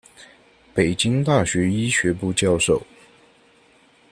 北京大学医学部教授。